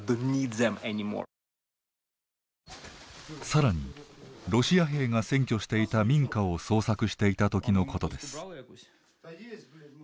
更にロシア兵が占拠していた民家を捜索していた時のことです。